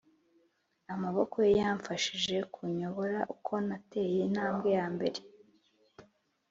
amaboko ye yamfashije kunyobora uko nateye intambwe yambere.